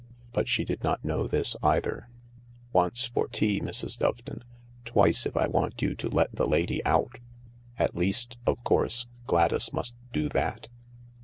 But she did not know this either. "Once for tea, Mrs. Doveton. Twice if I want you to let the lady out. At least, of course, Gladys must do that."